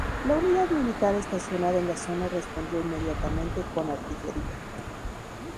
La unidad militar estacionada en la zona respondió inmediatamente con artillería.